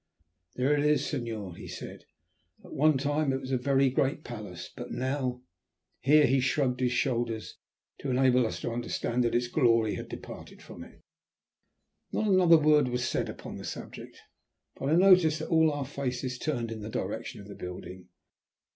"There it is, signor," he said. "At one time it was a very great palace but now " here he shrugged his shoulders to enable us to understand that its glory had departed from it. Not another word was said upon the subject, but I noticed that all our faces turned in the direction of the building.